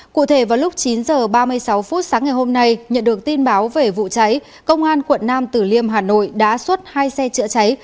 cụ thể vào lúc chín h ba mươi sáu phút sáng ngày hôm nay nhận được tin báo về vụ cháy công an quận nam tử liêm hà nội đã xuất hai xe chữa cháy